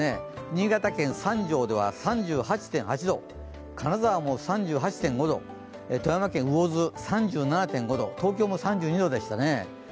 新潟県三条では３８．８度、金沢も３８．５度、富山県魚津、３７．５度、東京も３２度でしたね。